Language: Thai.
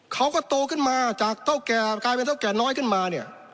เขาก็โตขึ้นมาจากกายเป็นเท่าแก่น้อยขึ้นมา